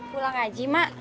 pulang saja mak